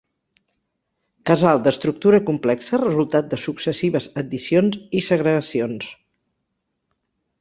Casal d'estructura complexa resultat de successives addicions i segregacions.